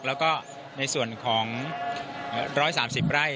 แล้วก็ในส่วนของ๑๓๐ไร่